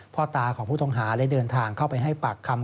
พ่อตาของผู้ต้องหาได้เดินทางเข้าไปให้ปากคำ